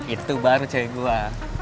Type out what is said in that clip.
itu baru cewek gue